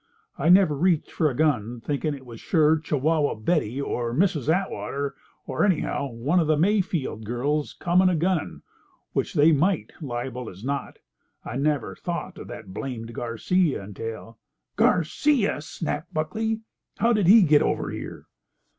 I never reached for a gun, thinkin' it was sure Chihuahua Betty, or Mrs. Atwater, or anyhow one of the Mayfield girls comin' a gunnin', which they might, liable as not. I never thought of that blamed Garcia until—" "Garcia!" snapped Buckley. "How did he get over here?"